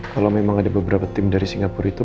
kalau memang ada beberapa tim dari singapura itu